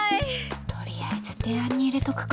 とりあえず提案に入れとくか。